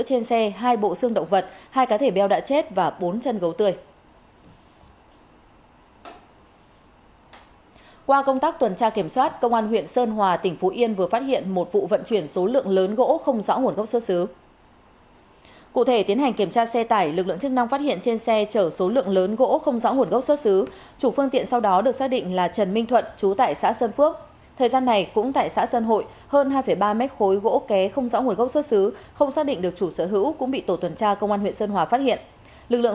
cụ thể tiến hành kiểm tra xe tải lực lượng chức năng phát hiện trên xe chở số lượng lớn gỗ không rõ nguồn gốc xuất xứ